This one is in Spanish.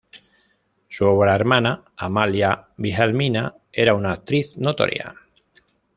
Su otra hermana, Amalia Wilhelmina, era una actriz notoria.